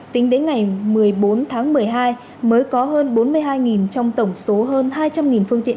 tính đến ngày một mươi bốn tháng một mươi hai mới có hơn bốn mươi hai trong tổng số hơn hai trăm linh phương tiện